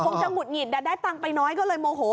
คงจะหุดหงิดได้ตังค์ไปน้อยก็เลยโมโห